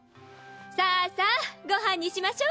さあさあご飯にしましょう。